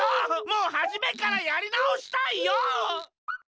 もうはじめからやりなおしたいよ！